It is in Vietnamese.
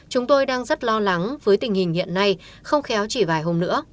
chúng tôi đang rất lo lắng với tình hình hiện nay không khéo chỉ vài hôm nữa